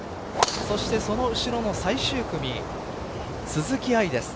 そしてその後ろの最終組鈴木愛です。